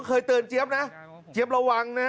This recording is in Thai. เคยเตือนเจี๊ยบนะเจี๊ยบระวังนะ